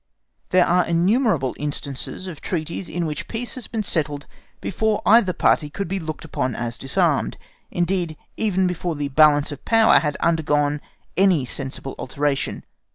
There are innumerable instances of treaties in which peace has been settled before either party could be looked upon as disarmed; indeed, even before the balance of power had undergone any sensible alteration.